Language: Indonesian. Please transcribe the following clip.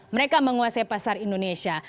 mereka menguasai pasar indonesia